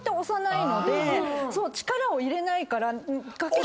力を入れないからかけ方。